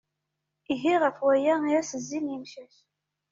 Ihi ɣef waya i as-zzin yemcac.